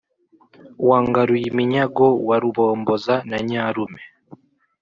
wa ngaruyiminyago wa rubomboza na nyarume,